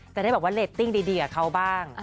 จะได้แบบว่าเรตติ้งดีกับเขาบ้าง